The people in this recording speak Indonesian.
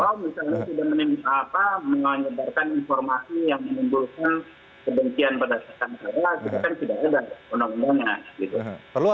kalau tidak menimbulkan informasi yang menimbulkan kebencian pada sekalian